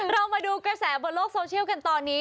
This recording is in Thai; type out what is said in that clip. เรามาดูกระแสบนโลกโซเชียลกันตอนนี้